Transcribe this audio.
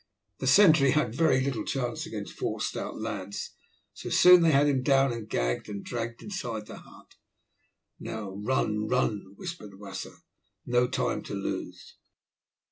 The sentry had very little chance against four stout lads, and so they soon had him down and gagged, and dragged inside the hut. "Now run, run," whispered Wasser, "no moment lose."